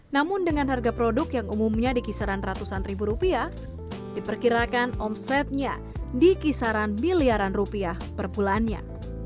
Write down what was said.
namun dengan harga produk yang umumnya dikisaran ratusan ribu rupiah diperkirakan omsetnya dikisaran miliaran rupiah per bulannya